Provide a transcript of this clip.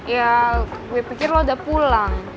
ya gue pikir lo udah pulang